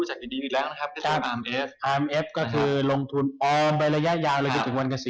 ช่วยหลัก